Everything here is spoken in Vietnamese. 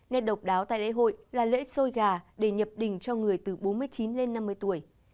nét độc đáo tại lễ hội là lễ sôi gà để nhập đình cho người từ bốn mươi chín lên năm mươi tuổi